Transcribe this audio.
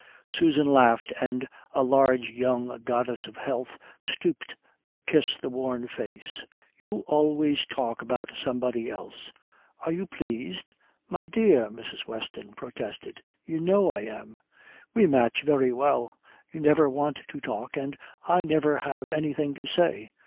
Susan laughed and, a large young goddess of health, stooped to kiss the worn face. "You always talk about somebody else. Are you pleased?" "My dear!" Mrs. Weston protested. "You know I am." "We match very well. You never want to talk, and I never have anything to say."